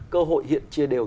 cơ hội hiện chia đều